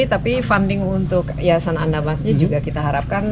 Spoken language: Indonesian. tapi funding untuk yayasan anambas ini juga kita harapkan